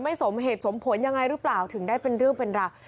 สมเหตุสมผลยังไงหรือเปล่าถึงได้เป็นเรื่องเป็นราว